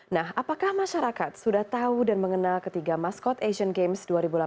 nah apakah masyarakat sudah tahu dan mengenal ketiga maskot asian games dua ribu delapan belas